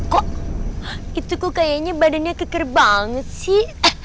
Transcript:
kok itu kok kayaknya badannya keker banget sih